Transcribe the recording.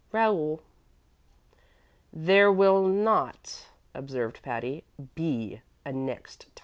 "RAOUL." "There will not," observed Patty, "be a next time."